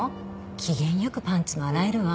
機嫌よくパンツも洗えるわ。